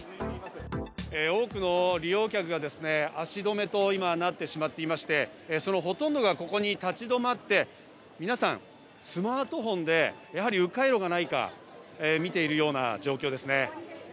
多くの利用客が足止めとなってしまっていまして、そのほとんどがここに立ちどまって皆さん、スマートフォンで迂回路がないか見ているような状況です。